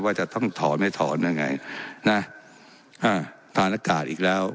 ว่าจะต้องถอนไม่ถอนยังไงนะอ่าทานอากาศอีกแล้ว